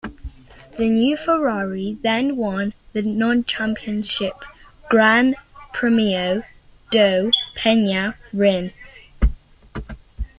The new Ferrari then won the non-championship Gran Premio do Penya Rhin.